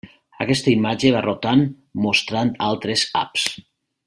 Aquesta imatge va rotant mostrant altres apps.